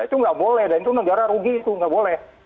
itu nggak boleh dan itu negara rugi itu nggak boleh